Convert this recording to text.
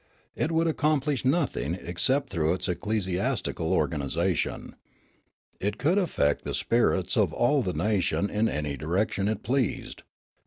It could accomplish nothing except through its ecclesiastical organisation. It could affect the spirits of all the nation in any direc tion it pleased.